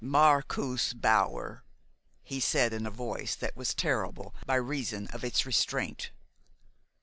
"Marcus Bauer," he said in a voice that was terrible by reason of its restraint.